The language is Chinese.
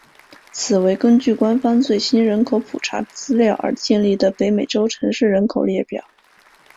此为根据官方最新人口普查资料而建立的北美洲城市人口列表。